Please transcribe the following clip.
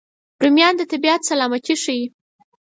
رومیان د طبیعت سلامتي ښيي